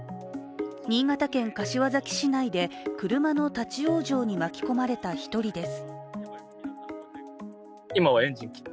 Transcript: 新潟県柏崎市内で車の立往生に巻き込まれた１人です。